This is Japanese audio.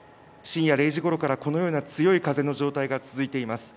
深夜０時ごろから、このような強い風の状態が続いています。